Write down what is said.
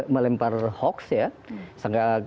melempar hoax ya